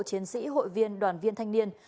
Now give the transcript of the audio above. chiến sĩ hội viên đoàn viên thanh niên